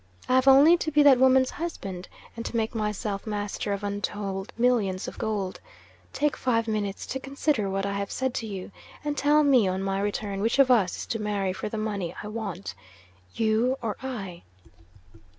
I have only to be that woman's husband, and to make myself master of untold millions of gold. Take five minutes to consider what I have said to you, and tell me on my return which of us is to marry for the money I want, you or I."